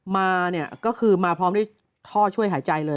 มาเนี่ยก็คือมาพร้อมด้วยท่อช่วยหายใจเลย